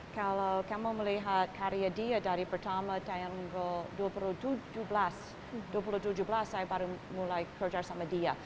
kalau kamu melihat karya dia dari pertama tanggal dua ribu tujuh belas dua ribu tujuh belas saya baru mulai kerja sama dia